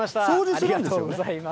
ありがとうございます。